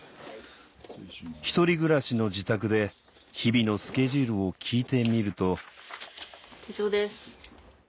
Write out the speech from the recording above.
１人暮らしの自宅で日々のスケジュールを聞いてみると手帳です。